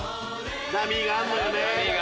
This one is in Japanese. ダミーがあんのよね。